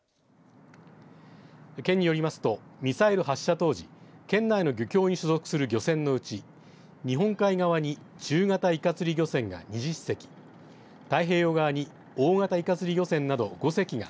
県によりますとミサイル発射当時、県内の漁協に所属する漁船のうち日本海側に中型いか釣り漁船が２０隻太平洋側に、大型いか釣り漁船など５隻が